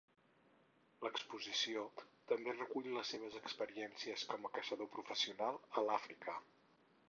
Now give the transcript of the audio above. L'exposició també recull les seves experiències com a caçador professional a l'Àfrica.